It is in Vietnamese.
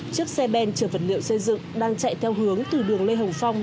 chiếc xe ben chở vật liệu xây dựng đang chạy theo hướng từ đường lê hồng phong